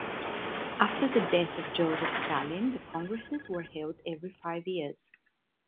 After the death of Joseph Stalin, the congresses were held every five years.